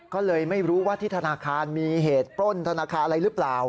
ก็เลยไม่รู้ว่าที่ธนาคารมีเหตุปล้นธนาคารอะไรหรือเปล่า